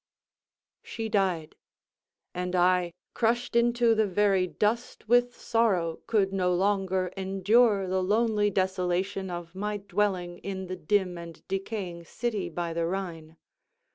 She died: and I, crushed into the very dust with sorrow, could no longer endure the lonely desolation of my dwelling in the dim and decaying city by the Rhine.